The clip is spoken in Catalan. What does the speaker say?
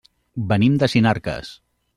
Venim de Sinarques.